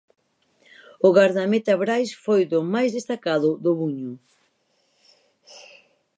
O gardameta Brais foi do máis destacado do Buño.